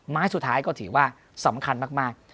ไม้สุดท้ายก็ถือว่าสำคัญมาก